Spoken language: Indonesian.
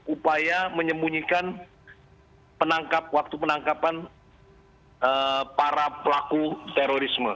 upaya menyembunyikan waktu penangkapan para pelaku terorisme